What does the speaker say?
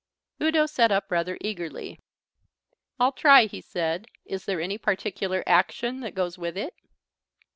Udo sat up rather eagerly. "I'll try," he said. "Is there any particular action that goes with it?"